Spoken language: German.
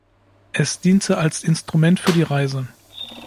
Es diente als Instrument für die Reise.